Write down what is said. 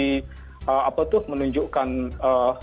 jadi ini kalau dibiarkan terus menerus ya seperti